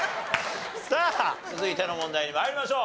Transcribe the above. さあ続いての問題に参りましょう。